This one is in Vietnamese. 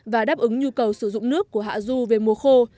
và đáp ứng nhu cầu sử dụng nước của hạ du về mùa khô